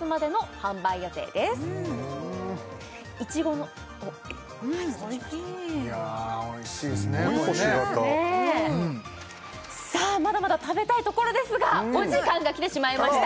これねすごい星形さあまだまだ食べたいところですがお時間が来てしまいました